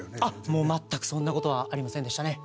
もう全くそんな事はありませんでしたね。